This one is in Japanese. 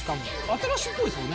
新しいっぽい。